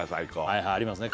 はいはいありますね